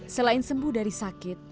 selain sembuh dari sakit